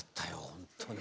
本当に。